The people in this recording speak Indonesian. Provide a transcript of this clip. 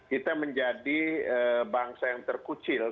kita menjadi bangsa yang terkucil